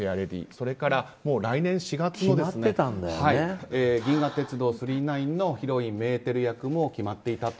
それから来年４月に「銀河鉄道９９９」のヒロイン、メーテル役も決まっていたと。